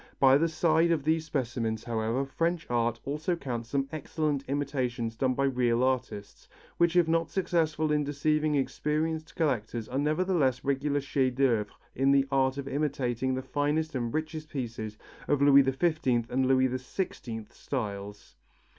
By the side of these specimens, however, French art also counts some excellent imitations done by real artists, which if not successful in deceiving experienced collectors are nevertheless regular chefs d'œuvre in the art of imitating the finest and richest pieces of the Louis XV and Louis XVI styles.